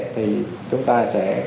thì chúng ta sẽ